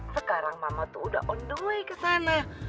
sekarang mama itu sudah on the way ke sana